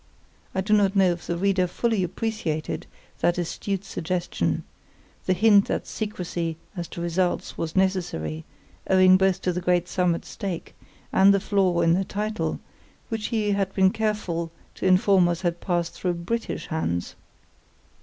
I do not know if the reader fully appreciated that astute suggestion—the hint that secrecy as to results was necessary owing both to the great sum at stake and the flaw in the title, which he had been careful to inform us had passed through British hands.